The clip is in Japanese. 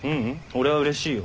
俺はうれしいよ。